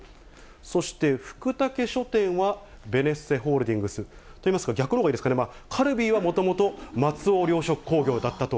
そして福武書店はベネッセホールディングスといいますか、逆のほうがいいですかね、カルビーはもともと松尾糧食工業だったと。